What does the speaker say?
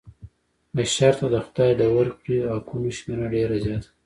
بشر ته د خدای ج د ورکړي حقونو شمېره ډېره زیاته ده.